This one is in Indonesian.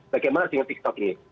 bagaimana dengan tiktok ini